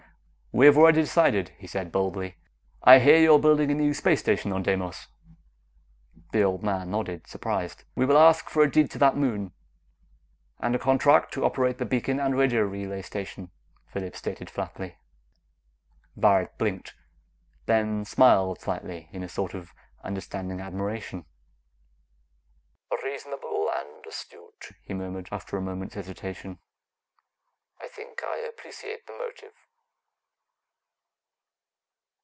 "We have already decided," he said boldly. "I hear you are building a new space station on Deimos." The old man nodded, surprised. "We will ask for a deed to that moon, and a contract to operate the beacon and radio relay station," Phillips stated flatly. Varret blinked, then smiled slightly in a sort of understanding admiration. "Reasonable and astute," he murmured after a moment's hesitation. "I think I appreciate the motive.